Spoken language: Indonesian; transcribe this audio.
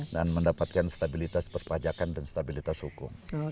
dan mendapatkan stabilitas berpajakan dan stabilitas hukum